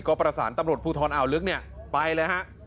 ก็ประสานตำรวจภูทรอ่าวลึกเนี่ยไปเลยฮะ